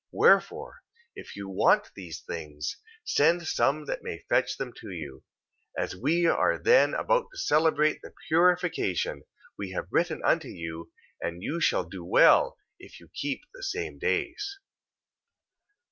2:15. Wherefore, if you want these things, send some that may fetch them to you. 2:16. As we are then about to celebrate the purification, we have written unto you: and you shall do well, if you keep the same days.